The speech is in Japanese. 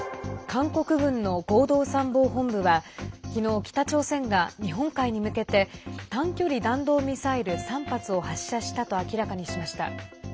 韓国軍の合同参謀本部はきのう、北朝鮮が日本海に向けて短距離弾道ミサイル３発を発射したと明らかにしました。